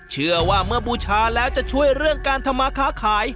เชื่อว่าเมื่อบูชาแล้วจะช่วยเรื่องการทำมาค้าขาย